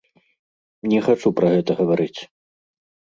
Не хачу пра гэта гаварыць.